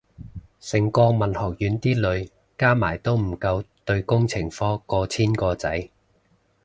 成個文學院啲女加埋都唔夠對工程科過千個仔